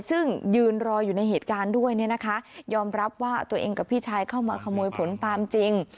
ซึ่งยืนรออยู่ในเหตุการณ์ด้วยเนี่ยนะคะยอมรับว่าตัวเองกับพี่ชายเข้ามาขโมยผลปาล์มจริง